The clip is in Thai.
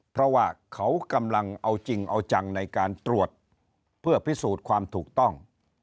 เพราะว่าเขากำลังเอาจริงเอาจังในการตรวจเพื่อพิสูจน์ความถูกต้อง